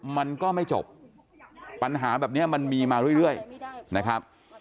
มันก็ไม่จบปัญหาแบบนี้มันมีมาเรื่อยนะครับ